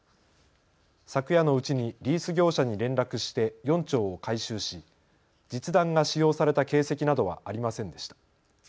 昨夜のうちにリース業者に連絡して４丁を回収し実弾が使用された形跡などはありませんでした。